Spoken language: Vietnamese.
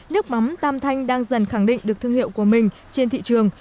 nước mắm tam thanh đang dần khẳng định được thương hiệu của mình trên thị trường